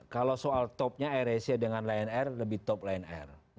kalau soal topnya air asia dengan lion air lebih top line air